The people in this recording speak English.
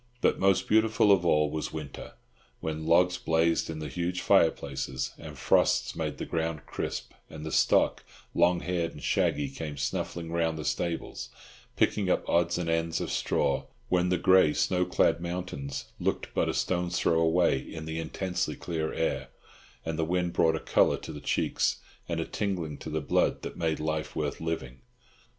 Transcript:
But most beautiful of all was winter, when logs blazed in the huge fireplaces, and frosts made the ground crisp, and the stock, long haired and shaggy, came snuffling round the stables, picking up odds and ends of straw; when the grey, snow clad mountains looked but a stone's throw away in the intensely clear air, and the wind brought a colour to the cheeks and a tingling to the blood that made life worth living.